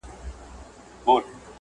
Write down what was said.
چي ذکر سوي ټول کارونه نیمګړي پاته سي